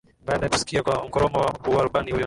baada ya kusikia kwa mkoromo wa rubani huyo